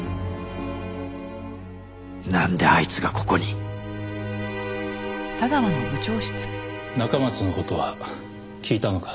なんであいつがここに中松の事は聞いたのか？